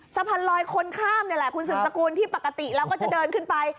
สะพานลอยคนข้ามนี่แหละคุณสืบสกุลที่ปกติเราก็จะเดินขึ้นไป